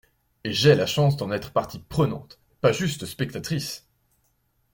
Et j’ai la chance d’en être partie prenante, pas juste spectatrice.